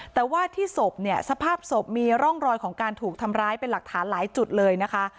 แต่ว่าที่ศพเนี่ยสภาพศพมีร่องรอยของการถูกทำร้ายเป็นหลักฐานหลายจุดเลยนะคะ